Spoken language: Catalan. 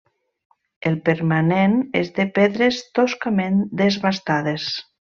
El permanent és de pedres toscament desbastades.